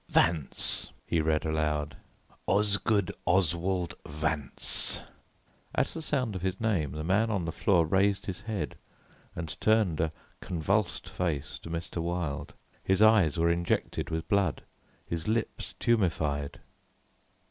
"Vance," he read aloud, "Osgood Oswald Vance." At the sound of his name, the man on the floor raised his head and turned a convulsed face to Mr. Wilde. His eyes were injected with blood, his lips tumefied.